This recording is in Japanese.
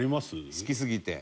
好きすぎて。